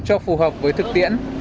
cho phù hợp với thực tiễn